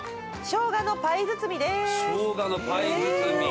しょうがのパイ包み。